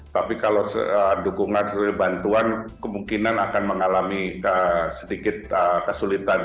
tapi kalau dukungan dari bantuan kemungkinan akan mengalami sedikit kesulitan